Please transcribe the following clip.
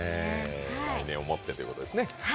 来年をもっていうことですね。